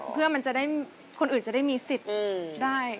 เพื่อคนอื่นจะได้มีสิทธิ์ได้